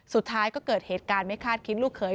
สุดท้ายก็เกิดเหตุการณ์ไม่คาดคิดลูกเขย